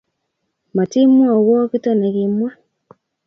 matimwowo kito ne kimwa